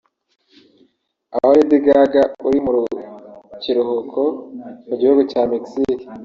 Aho Lady Gaga uri mu kiruhuko mu Gihugu cya Mexique